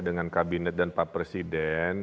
dengan kabinet dan pak presiden